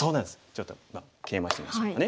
ちょっとケイマしてみましょうかね。